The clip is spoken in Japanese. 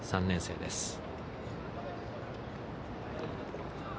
３年生です。